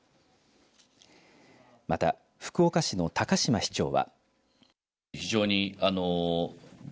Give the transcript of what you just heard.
また、福岡市の高島市長は。